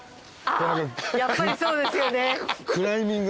あっやっぱりそうですよね。